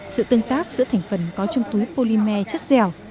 sự tương tác giữa thành phần có trong túi polymer chất dẻo